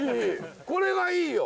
これがいいよ！